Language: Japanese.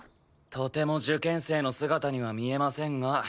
とても受験生の姿には見えませんが。